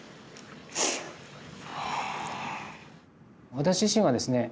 私自身はですね